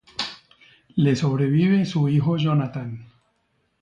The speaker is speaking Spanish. Le sobrevive su hijo Jonathan.